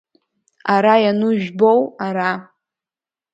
Ара иану жәбоу, ара!